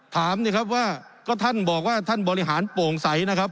ถามสิครับว่าก็ท่านบอกว่าท่านบริหารโปร่งใสนะครับ